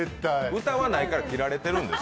歌わないから切られてるんです。